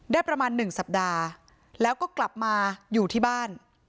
ได้ประมาณ๑สัปดาห์แล้วก็กลับมาอยู่ที่บ้าน